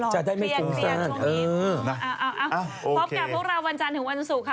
อ๋อเหรอเครียงเตียงช่วงอีกเออพบกับพวกเราวันจันทร์ถึงวันศุกร์ค่ะ